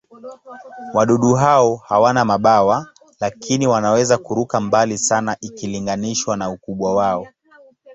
Wadudu hao hawana mabawa, lakini wanaweza kuruka mbali sana ikilinganishwa na ukubwa wao.